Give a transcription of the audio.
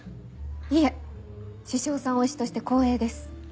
いえ獅子王さん推しとして光栄です。